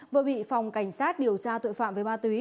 vừa bị phòng cảnh sát điều tra tội phạm về ma túy